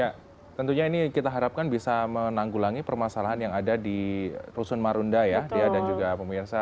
ya tentunya ini kita harapkan bisa menanggulangi permasalahan yang ada di rusun marunda ya dia dan juga pemirsa